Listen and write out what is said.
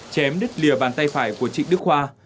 chém đứt lìa bàn tay phải của trịnh đức khoa